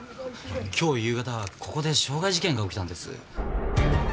今日夕方ここで傷害事件が起きたんです。